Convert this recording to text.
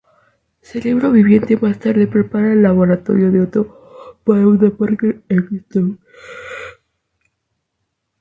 Cerebro Viviente más tarde prepara el laboratorio de Otto para una "Parker-Ectomy".